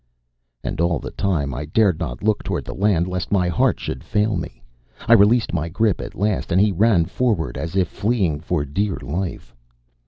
And all the time I dared not look towards the land lest my heart should fail me. I released my grip at last and he ran forward as if fleeing for dear life.